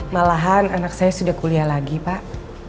malahan anak saya sudah kuliah lagi pak